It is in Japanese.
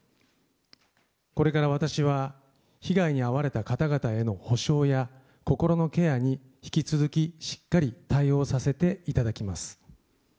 これから私は、被害に遭われた方々への補償や心のケアに引き続きしっかり対応させていただきます。